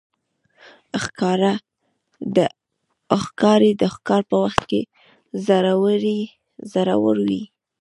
ښکاري د ښکار په وخت کې زړور وي.